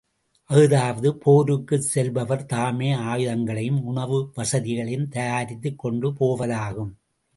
அஃதாவது போருக்குச் செல்பவர் தாமே ஆயுதங்களையும் உணவு வசதிகளையும் தயாரித்துக் கொண்டு போவதாகும்.